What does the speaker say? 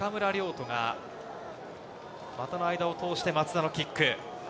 土が股の間を通して、松田のキック。